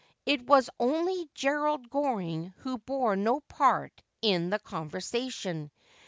It was only Gerald Goring who bore no part in the conversation.